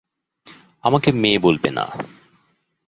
আমাকে মেয়ে বলবে না।